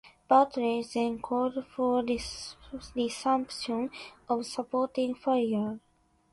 Bartley then called for resumption of supporting fire.